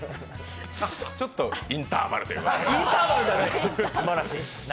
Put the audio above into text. ちょっとインターバルということで。